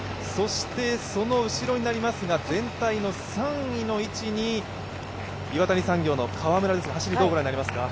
その後ろになりますが、全体の３位の位置に岩谷産業の川村ですが、どうご覧になりますか？